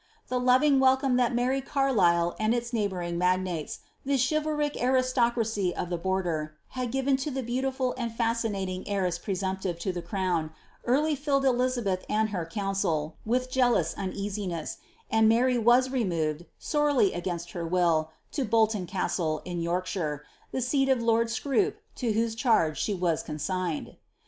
The loving welcome that merry Carlisle and ili neighbouring magnates, the chiralric aristocracy of the border, had given lo the beautiful and fascinating heiress presumptive to the crown, early filled Elizabeth and her council with jealous uneasiness, and Haiy was removed, sorely against her will, to Boltou Castle, in Yorkshin^ the seat of lord Scroop, to whose charge she was consigned.'